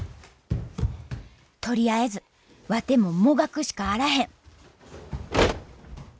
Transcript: とりあえずワテももがくしかあらへん